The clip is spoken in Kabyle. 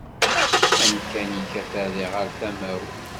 Amkan-ik ata ɣer tama-w